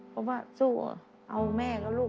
เพราะว่าสู้เอาแม่กับลูก